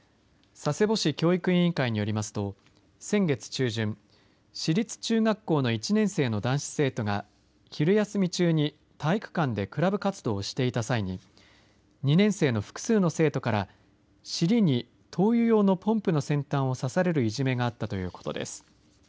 佐世保市教育委員会によりますと先月中旬市立中学校の１年生の男子生徒が昼休み中に体育館でクラブ活動をしていた際に２年生の複数の生徒から尻に灯油用のポンプの先端を挿されるいじめがあったということです。